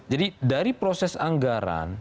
jadi dari proses anggaran